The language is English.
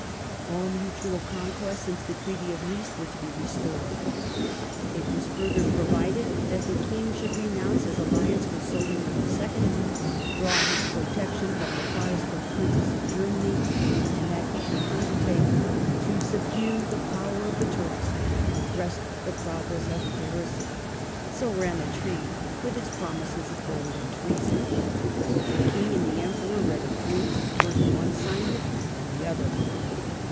All mutual conquests since the Treaty of Nice were to be restored. It was further provided that the King should renounce his alliance with Soliman II., and withdraw his protection from the Protestant princes of Ger many, and that he should undertake to subdue the power of the Turks ^ and arrest the progress of Heresy. So ran the treaty, with its promises of gold and treason. The King and the Emperor read it through. First one signed it, then the other.